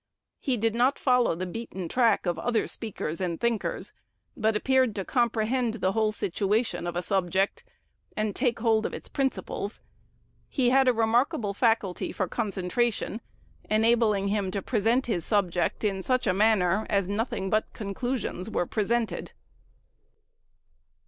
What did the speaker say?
He did not follow the beaten track of other speakers and thinkers, but appeared to comprehend the whole situation of the subject, and take hold of its principles. He had a remarkable faculty for concentration, enabling him to present his subject in such a manner, as nothing but conclusions were presented."